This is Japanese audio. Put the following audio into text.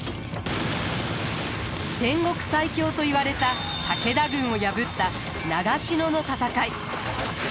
戦国最強といわれた武田軍を破った長篠の戦い。